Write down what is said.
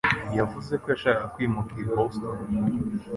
yavuze ko yashakaga kwimukira i Boston.